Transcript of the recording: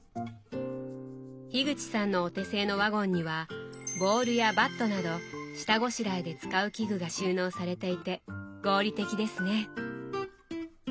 口さんのお手製のワゴンにはボウルやバットなど下ごしらえで使う器具が収納されていて合理的ですね。